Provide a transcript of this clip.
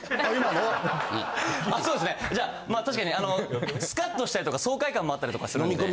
確かにあのスカっとしたりとか爽快感もあったりとかするんで。